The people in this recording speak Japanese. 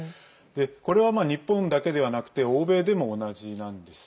これは、日本だけではなくて欧米でも同じなんです。